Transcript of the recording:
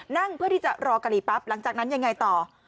นั่งเพื่อที่จะรอกะหรี่ปั๊บหลังจากนั้นยังไงต่อ